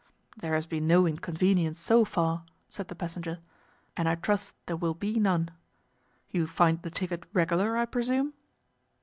"There has been no inconvenience so far," said the passenger, "and I trust there will be none. You find the ticket regular, I presume?"